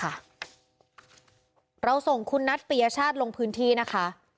เราส่งคุณนัทปียชาติลงพื้นที่นะคะ